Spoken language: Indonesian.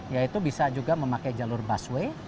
yaitu bisa juga memakai jalur busway